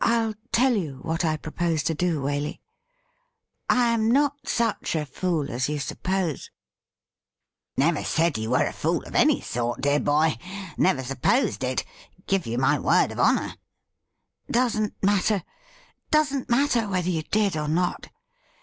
I'll tell you what I propose to do, Waley. I am not such a fool as you suppose ' WHAT WALEY DID WITH HIMSELF 259 ' Never said you were a fool of any sort, dear boy — never sjipposed it. Give you my word of honour.' 'Doesn't matter — doesn't matter whether you did or not.